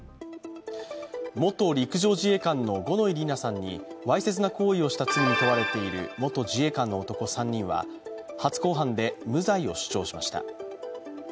元陸上自衛官の五ノ井里奈さんにわいせつな行為をした罪に問われている元自衛官の男３人は初公判で無罪を主張しました。